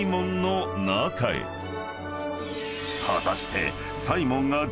［果たして］